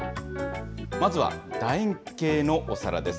まずはだ円形のお皿です。